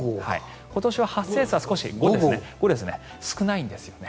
今年は発生数は少ないんですよね。